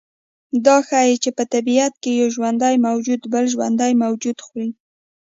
دا ښیي چې په طبیعت کې یو ژوندی موجود بل ژوندی موجود خوري